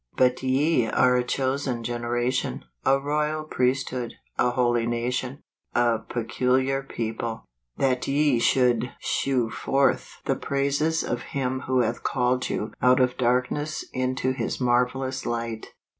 " But ye are a chosen generation, a royal priest¬ hood, a holy nation, a peculiarpeople ; that ye should sheic forth the praises of him icho hath called you out of darkness into his marvelous light."